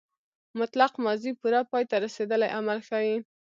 مطلق ماضي پوره پای ته رسېدلی عمل ښيي.